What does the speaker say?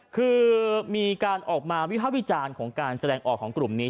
คือมีการออกมาวิภาควิจารณ์ของการแสดงออกของกลุ่มนี้